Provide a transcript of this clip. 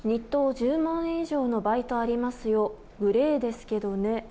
１０万円以上のバイトありますよグレーですけどね。